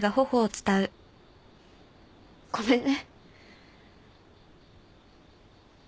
ごめんね。